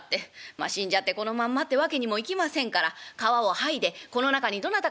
まあ死んじゃってこのまんまってわけにもいきませんから皮を剥いでこの中にどなたかに入っていただくと。